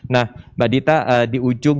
nah mbak dita di ujung